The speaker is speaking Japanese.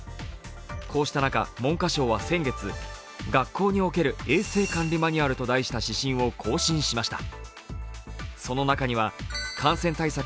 こうした中、文科省は先月、「学校における衛生管理マニュアル」と題した指針を更新しました。